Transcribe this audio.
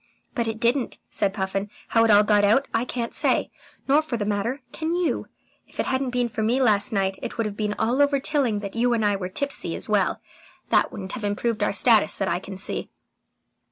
"But it didn't," said Puffin. "How it all got out, I can't say, nor for that matter can you. If it hadn't been for me last night, it would have been all over Tilling that you and I were tipsy as well. That wouldn't have improved our status that I can see."